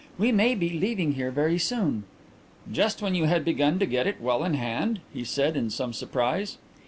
We may be leaving here very soon." "Just when you had begun to get it well in hand?" he said, in some surprise.